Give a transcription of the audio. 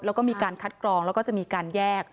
แล้วก็มีการคัดกรองแล้วก็จะมีการแยก